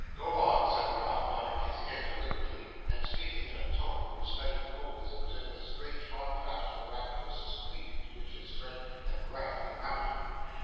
'Go on,' said Ralph, nodding his head deliberately, and speaking in a tone whose studied coldness presented a strange contrast to the rapturous squeak to which his friend had gradually mounted.